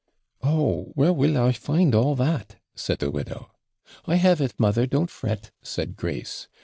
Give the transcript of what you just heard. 'Oh, where will I find all that?' said the widow. 'I have it, mother; don't fret,' said Grace.